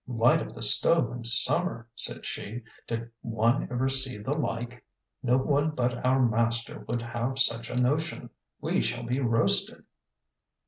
ŌĆ£Light up the stove in summer! ŌĆØ said she; ŌĆ£did one ever see the like? No one but our master would have such a notion. We shall be roasted.